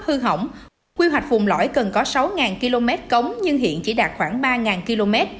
hơn hổng quy hoạch vùng lõi cần có sáu km cống nhưng hiện chỉ đạt khoảng ba km